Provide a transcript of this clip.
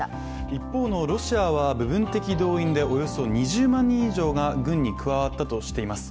一方のロシアは、部分的動員でおよそ２０万人以上が軍に加わったとしています